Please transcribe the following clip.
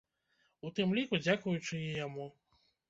У тым ліку дзякуючы і яму.